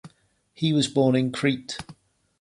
He was born in Crete.